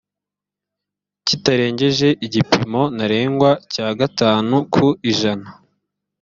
kitarengeje igipimo ntarengwa cya gatanu ku ijana